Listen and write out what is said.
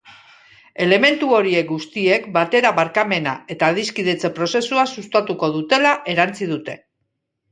Elementu horiek guztiek batera barkamena eta adiskidetze prozesua sustatuko dutela erantsi dute.